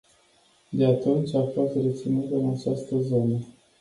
De atunci a fost reținut în această zonă.